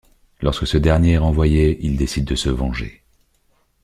Lorsque ce dernier est renvoyé, il décide de se venger.